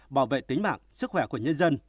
bảo vệ tính mạng sức khỏe của nhân dân